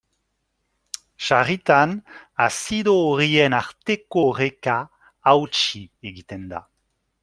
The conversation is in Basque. Sarritan, azido horien arteko oreka hautsi egiten da.